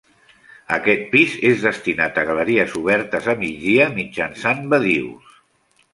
Aquest pis és destinat a galeries obertes a migdia mitjançant badius.